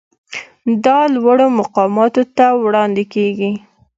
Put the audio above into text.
دا لوړو مقاماتو ته وړاندې کیږي.